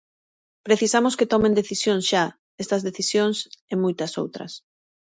Precisamos que tomen decisións xa, estas decisións e moitas outras.